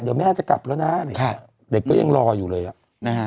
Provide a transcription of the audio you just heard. เดี๋ยวแม่จะกลับแล้วน่ะค่ะเด็กก็ยังรออยู่เลยอ่ะนะฮะ